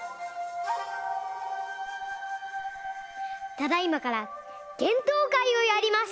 ただいまからげんとうかいをやります。